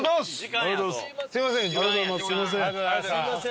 ありがとうございます。